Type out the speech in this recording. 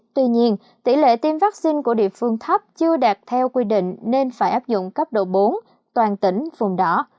tuy nhiên tỷ lệ tiêm vaccine của địa phương thấp chưa đạt theo quy định nên phải áp dụng cấp độ bốn toàn tỉnh vùng đỏ